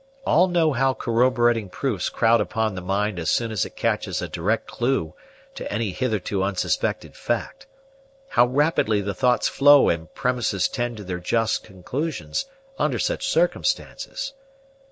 All know how corroborating proofs crowd upon the mind as soon as it catches a direct clue to any hitherto unsuspected fact; how rapidly the thoughts flow and premises tend to their just conclusions under such circumstances.